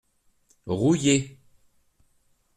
Rouillé.